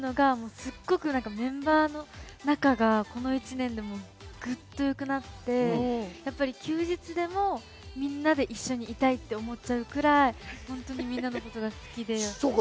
私も感じるのはすごくメンバーの仲が１年でグッと良くなって休日でもみんなで一緒にいたいと思っちゃうくらいみんなのことが好きで。